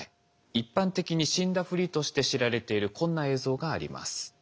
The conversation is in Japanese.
一般的に死んだふりとして知られているこんな映像があります。